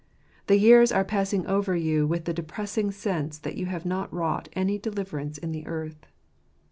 The years are passing over you with the depressing sense that you have not wrought any deliverance in the earth.